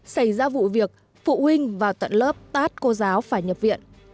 xảy ra vụ việc phụ huynh vào tận lớp tát cô giáo phải nhập viện